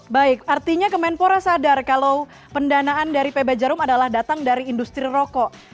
baik artinya kemenpora sadar kalau pendanaan dari pb jarum adalah datang dari industri rokok